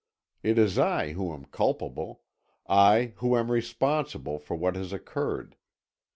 It is I who am culpable, I who am responsible for what has occurred.